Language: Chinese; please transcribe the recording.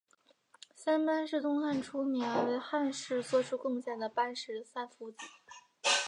三班是东汉初年为汉室作出贡献的班氏三父子。